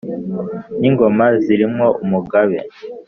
n’ingoma ziri mwo umugabe,